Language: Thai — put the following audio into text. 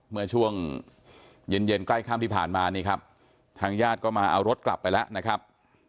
เมื่อช่วงเย็นเย็นใกล้ค่ำที่ผ่านมานี่ครับทางญาติก็มาเอารถกลับไปแล้วนะครับ